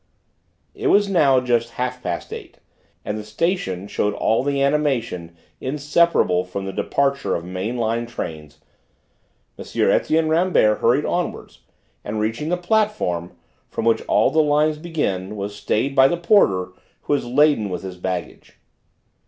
It was now just half past eight, and the station showed all the animation inseparable from the departure of main line trains. M. Etienne Rambert hurried onwards, and reaching the platform from which all the lines begin, was stayed by the porter who was laden with his baggage.